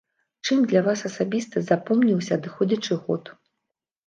Чым для вас асабіста запомніўся адыходзячы год?